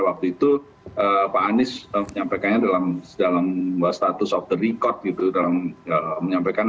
waktu itu pak anies menyampaikannya dalam status of the record gitu dalam menyampaikan